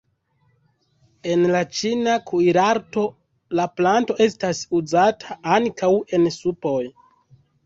En la ĉina kuirarto la planto estas uzata ankaŭ en supoj.